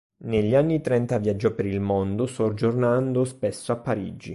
Negli anni trenta viaggiò per il mondo, soggiornando spesso a Parigi.